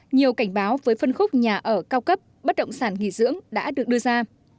nhiều cảnh báo với phân khúc nhà ở cao cấp bất động sản nghỉ dưỡng đã được đưa ra